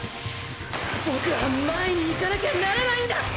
ボクは前にいかなきゃならないんだ！！